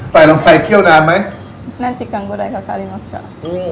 ใส่ลงไปเที่ยวนานไหม